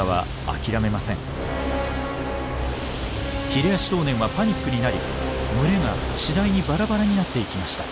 ヒレアシトウネンはパニックになり群れがしだいにバラバラになっていきました。